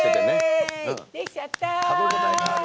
できちゃった！